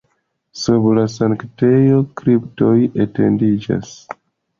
Sub la sanktejo kripto etendiĝas.